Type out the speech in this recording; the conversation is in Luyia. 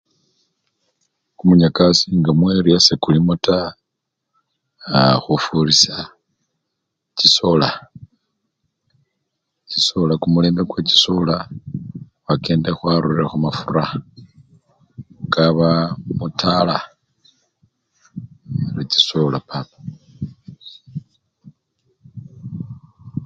Kumunyakasi nga mu-eriya sekulimo taa, aa! khufurisya chisoola, chisoola kumulembe kwechisola khwakendile khwarurire khumafura kaaba mutala ari nono chisoola papa.